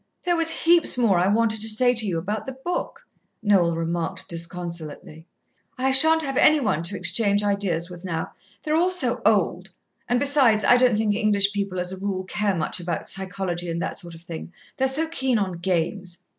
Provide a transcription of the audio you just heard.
"There was heaps more I wanted to say to you about the book," Noel remarked disconsolately. "I shan't have any one to exchange ideas with now. They're all so old and besides, I don't think English people as a rule care much about psychology and that sort of thing. They're so keen on games.